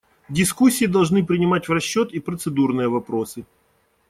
Дискуссии должны принимать в расчет и процедурные вопросы.